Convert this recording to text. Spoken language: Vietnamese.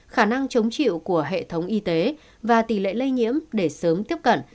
khả năng chống chịu của hệ thống y tế và tỷ lệ lây nhiễm để sớm tiếp cận